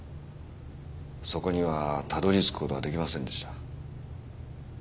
そこにはたどり着く事は出来ませんでした。